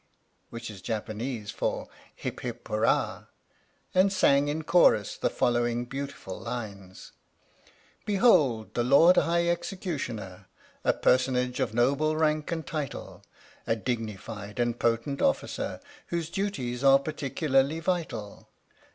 which is Japanese for " Hip, hip, hurrah," and sang, in chorus, the following beautiful lines: Behold the Lord High Executioner A personage of noble rank and title! j A dignified and potent Officer Whose duties are particularly vital.